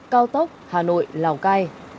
cao tốc hà nội lào cai